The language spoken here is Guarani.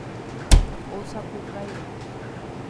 Osapukáiva.